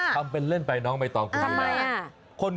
ทำเป็นเล่นไปน้องใบตองคุณชนะ